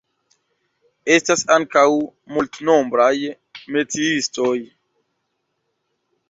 Estas ankaŭ multnombraj metiistoj.